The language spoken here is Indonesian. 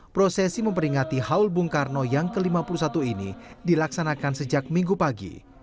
prosesi memperingati haul bung karno yang ke lima puluh satu ini dilaksanakan sejak minggu pagi